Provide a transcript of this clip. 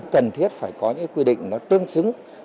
cần thiết phải có những quy định tương xứng